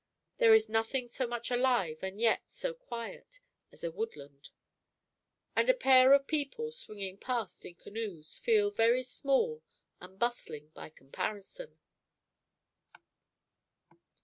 There is nothing so much alive, and yet so quiet, as a woodland; and a pair of people, swinging past in canoes, feel very small and bustling by comparison.